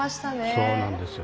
そうなんですよ。